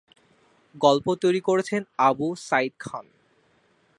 গল্প তৈরি করেছেন আবু সাঈদ খান।